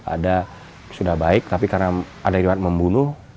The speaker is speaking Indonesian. ada sudah baik tapi karena ada iwan membunuh